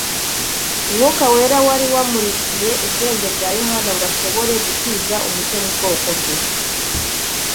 Umwuka wera wari wamurikiye ubwenge bwa Yohana ngo ashobore gukwiza umucyo mu bwoko bwe;